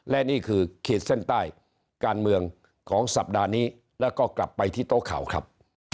และนี่คือขีดเส้นใต้การเมืองของสัปดาห์นี้แล้วก็กลับไปที่โต๊ะข่าวครับ